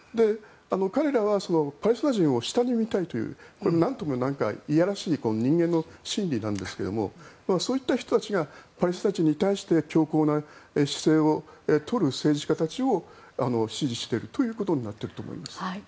彼らはパレスチナ人を下に見たいというこれは何とも嫌らしい人間の心理なんですがそういった人たちがパレスチナ人に対して強硬な姿勢を取る政治家たちを支持しているということになっていると思います。